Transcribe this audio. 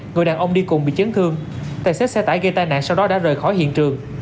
người đàn ông đi cùng bị chấn thương tài xế xe tải gây tai nạn sau đó đã rời khỏi hiện trường